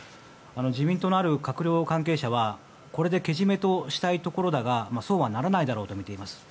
自民党のある閣僚関係者はこれでけじめとしたいところだがそうはならないだろうと見ています。